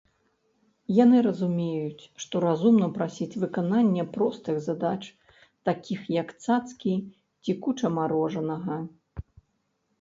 Яны разумеюць, што разумна прасіць выканання простых задач, такіх як цацкі ці куча марожанага.